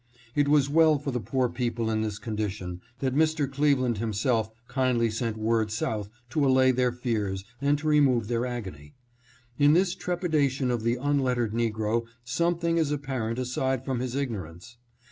It was well for the poor people in this condition that Mr. Cleveland himself kindly sent word South to allay their fears and to remove their agony. In this trepidation of the unlettered negro something is apparent aside from his ignorance.